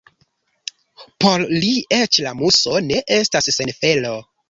Por li eĉ la muso ne estas sen felo.